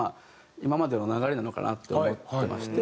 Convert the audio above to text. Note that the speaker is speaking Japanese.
今までの流れなのかなと思ってまして。